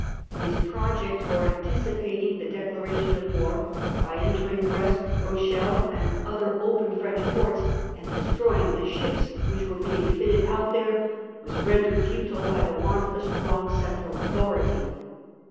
His project for anticipating the declaration of war by entering Brest, Rochelle, and other open French ports, and destroying the ships which were being fitted 1672. March of Louts . 205 out there, was rendered futile by the want of a strong central authority.